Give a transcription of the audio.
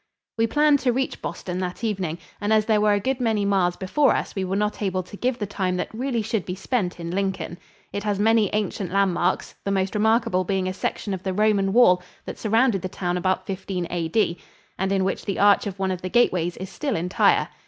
We planned to reach Boston that evening, and as there were a good many miles before us we were not able to give the time that really should be spent in Lincoln. It has many ancient landmarks, the most remarkable being a section of the Roman wall that surrounded the town about 15 A.D. and in which the arch of one of the gateways is still entire.